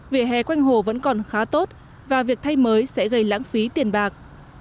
vỉa hè quanh hồ vẫn còn khá tốt và việc thay mới sẽ gây lãng phí tiền bạc